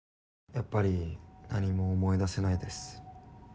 やっぱり何も思い出せないです。